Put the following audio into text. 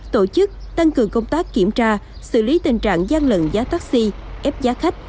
tổ chức tăng cường công tác kiểm tra xử lý tình trạng gian lận giá taxi ép giá khách